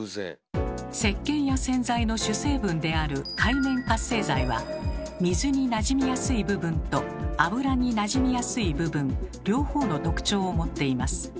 せっけんや洗剤の主成分である「界面活性剤」は水になじみやすい部分と油になじみやすい部分両方の特徴を持っています。